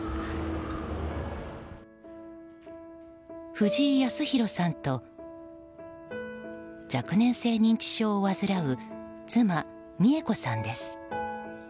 藤井康弘さんと若年性認知症を患う妻・三恵子さんです。